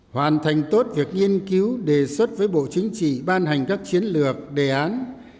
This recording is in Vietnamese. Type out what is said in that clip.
hoàn thành tốt việc nghiên cứu đề xuất với bộ chính trị ban hành các chiến lược đề án